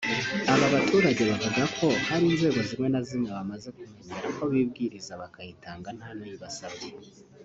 Aba baturage bavuga ko hari inzego zimwe na zimwe bamaze kumenyera ko bibwiriza bakayitanga nta n’uyibasabye